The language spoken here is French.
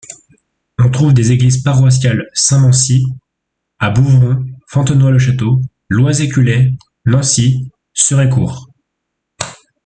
On trouve des églises paroissiales Saint-Mansuy à Bouvron, Fontenoy-le-Château, Loisey-Culey, Nancy, Serécourt.